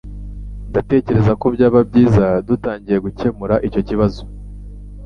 Ndatekereza ko byaba byiza dutangiye gukemura icyo kibazo